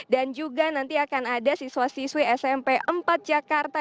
dan juga nanti akan ada siswa siswi smp empat jakarta